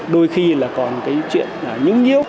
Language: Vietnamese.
đôi khi là còn cái chuyện là nhúng nhiếu